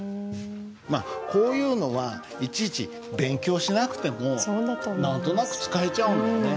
まあこういうのはいちいち勉強しなくても何となく使えちゃうもんね。